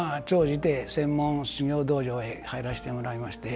専門、修行道場へ入らせてもらいまして